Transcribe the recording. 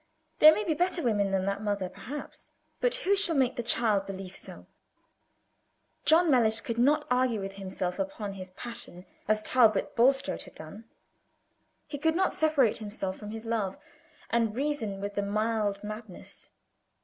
There may be better women than that mother, perhaps, but who shall make the child believe so? John Mellish could not argue with himself upon his passion as Talbot Bulstrode had done. He could not separate himself from his love, and reason with the mild madness.